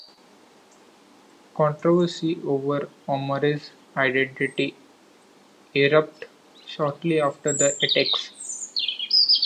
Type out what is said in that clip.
Controversy over Omari's identity erupted shortly after the attacks.